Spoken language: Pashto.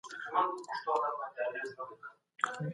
هیڅوک باید د ظلم قرباني نه سي.